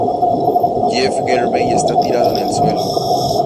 Jeff Garvey está tirado en el suelo.